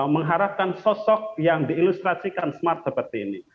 mengharapkan sosok yang diilustrasikan smart seperti ini